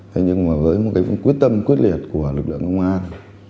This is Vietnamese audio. thế nhưng mà với một cái quyết tâm quyết liệt của lực lượng công an